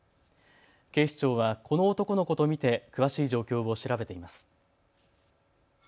警視庁はこの男の子と見て詳しい状況を調べています。